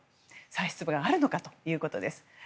再出馬はあるのかということです。